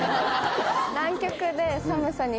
南極で。